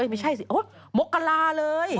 ไม่ใช่สิมกราเลย